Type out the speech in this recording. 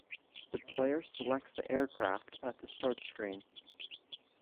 The player selects the aircraft at the start screen.